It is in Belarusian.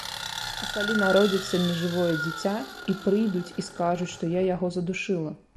А калі народзіцца нежывое дзіця, і прыйдуць і скажуць, што я яго задушыла?